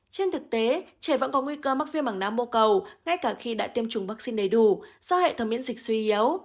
trên thực tế trẻ vẫn có nguy cơ mắc viêm mảng não mô cầu ngay cả khi đã tiêm chủng vaccine đầy đủ do hệ thống miễn dịch suy yếu